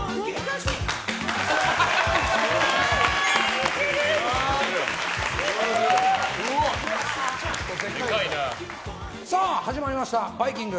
似てる！さあ、始まりました「バイキング」。